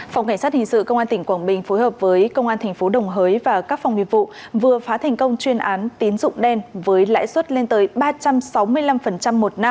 phòng cảnh sát hình sự công an tỉnh quảng bình phối hợp với công an tp đồng hới và các phòng nghiệp vụ vừa phá thành công chuyên án tín dụng đen với lãi suất lên tới ba trăm sáu mươi năm một năm